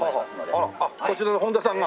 あっこちらのホンダさんが？